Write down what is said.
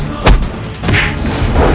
jangan ke si argy